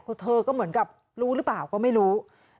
คือเธอก็เหมือนกับรู้หรือเปล่าก็ไม่รู้